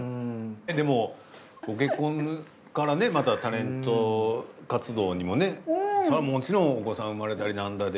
でもご結婚からねまたタレント活動にもね。それはもちろんお子さん生まれたりなんだで。